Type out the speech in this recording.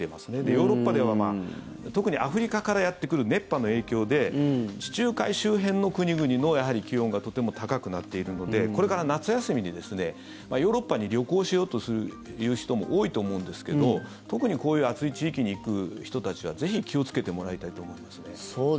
ヨーロッパでは特にアフリカからやってくる熱波の影響で地中海周辺の国々も気温がやはり高くなっているのでこれから夏休みにヨーロッパに旅行するという人も多いと思うんですけど特にこういう暑い地域に行く人たちはぜひ気をつけてもらいたいと思いますね。